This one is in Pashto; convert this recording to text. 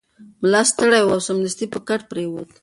ملا ستړی و او سمدستي په کټ پریوت.